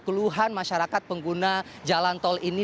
keluhan masyarakat pengguna jalan tol ini